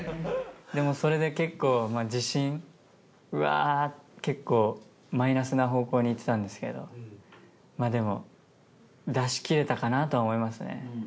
でもそれで結構自信はマイナスな方向にいってたんですけどでも出しきれたかなとは思いますね。